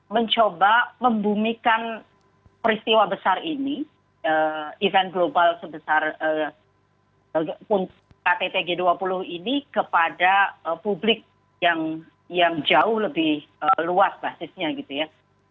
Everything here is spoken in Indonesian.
mencoba membumikan peristiwa besar ini event global sebesar ktt g dua puluh ini kepada publik yang jauh lebih luas basisnya gitu ya